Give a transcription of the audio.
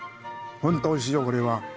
本当おいしいよこれは。